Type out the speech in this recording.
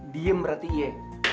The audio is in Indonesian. diem berarti iya